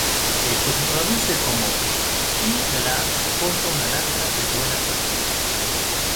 Esto se traduce como:""Gil-galad porta una lanza de buena factura.